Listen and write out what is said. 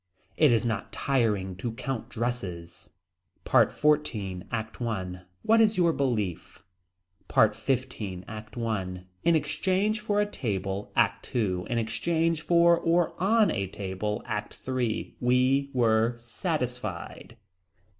It is not tiring to count dresses. PART XIV. ACT I. What is your belief. PART XV. ACT I. In exchange for a table. ACT II. In exchange for or on a table. ACT III. We were satisfied.